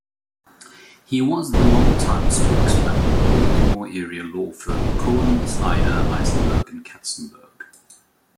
He was the longtime spokesman of Baltimore-area law firm Cohen, Snyder, Eisenberg and Katzenberg.